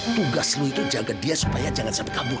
tugas lo itu jaga dia supaya jangan sampai kabur